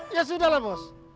ya sudah lah bos